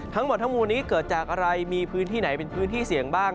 ทั้งหมดทั้งมวลนี้เกิดจากอะไรมีพื้นที่ไหนเป็นพื้นที่เสี่ยงบ้าง